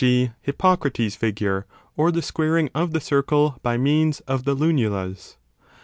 g. Hippocrates figure or the squaring of the circle by means of the lunules.